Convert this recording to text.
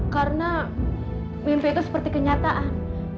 karena mimpi itu seperti kenyataan